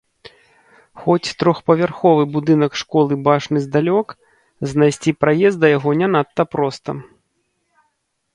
Хоць трохпавярховы будынак школы бачны здалёк, знайсці праезд да яго не надта проста.